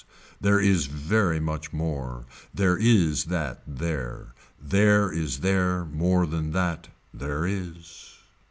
There is very much more. There is that there. There is there more than that. There is.